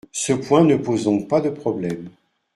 Ce point ne pose donc pas de problème.